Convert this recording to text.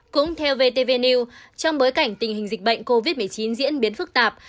cũng theo vtv trong bối cảnh tình hình dịch bệnh covid một mươi chín diễn biến phức tạp